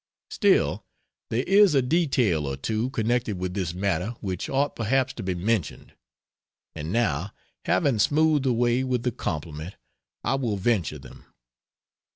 Still, there is a detail or two connected with this matter which ought perhaps to be mentioned. And now, having smoothed the way with the compliment, I will venture them.